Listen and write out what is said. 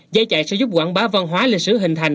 giải chạy sẽ giúp quảng bá văn hóa lịch sử hình thành